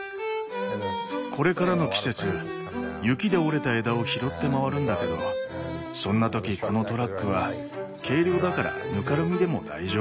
これからの季節雪で折れた枝を拾って回るんだけどそんな時このトラックは軽量だからぬかるみでも大丈夫。